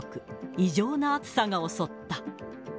異常な暑さが襲った。